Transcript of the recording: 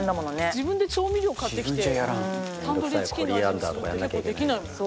自分で調味料買ってきてタンドリーチキンの味にするって結構できないもんね。